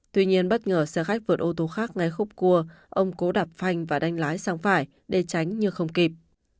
tuy nhiên bất ngờ xe khách vượt ô tô khác ngay khúc cua ông cố đạp phanh và đánh lái sang phải để tránh như không kịp